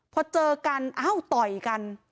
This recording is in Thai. พอเจอกันอ้าวต่อยกัน